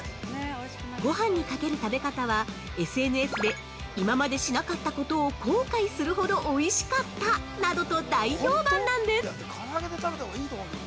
ごはんにかける食べ方はＳＮＳで「今までしなかったことを後悔するほどおいしかった」などと大評判なんです！